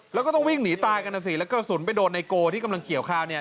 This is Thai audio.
แล้วก็ต้องวิ่งหนีตายกันนะสิแล้วกระสุนไปโดนไนโกที่กำลังเกี่ยวข้าวเนี่ย